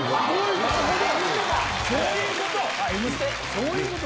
そういうこと！